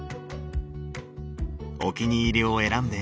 お気に入りを選んで。